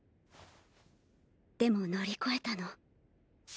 でも乗り越えたの。